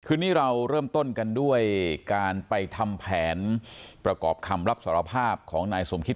คืนนี้เราเริ่มต้นกันด้วยการไปทำแผนประกอบคำรับสารภาพของนายสมคิต